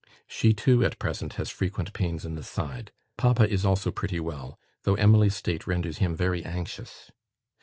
She, too, at present, has frequent pains in the side. Papa is also pretty well, though Emily's state renders him very anxious.